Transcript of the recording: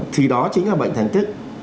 thì đó chính là bệnh thành tích